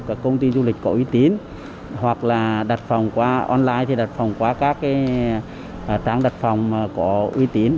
các công ty du lịch có uy tín hoặc là đặt phòng qua online thì đặt phòng qua các trang đặt phòng có uy tín